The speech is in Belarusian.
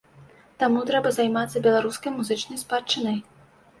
Таму трэба займацца беларускай музычнай спадчынай.